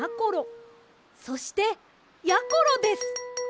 そしてやころです！